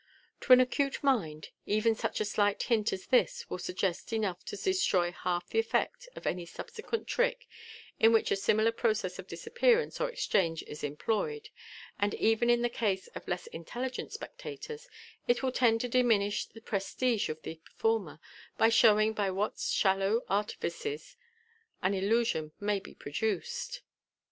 To an acute mind, even such a slight hint as this will suggest enough to destroy half the effect of any subsequent trick in which a similar process of disappearance or exchange is employed, and even in the case of less intelligent spectators it will tend to diminish the prestige of the performer, by showing by what shallow artifices an illusion may be produced.